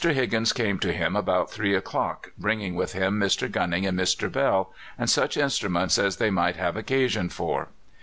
Higgins came to him about three o'clock, bringing with him Mr. Gunning and Mr. Bell, and such instruments as they might have occasion for.